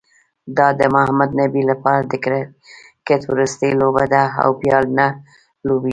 دا د محمد نبي لپاره د کرکټ وروستۍ لوبه ده، او بیا نه لوبیږي